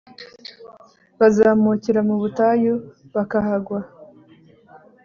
bazamukira mu butayu bakahagwa